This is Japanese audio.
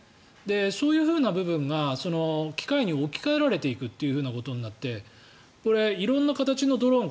そういうふうな部分が機械に置き換えられていくということになって色んな形のドローン